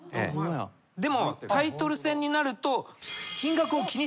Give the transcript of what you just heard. でもタイトル戦になると。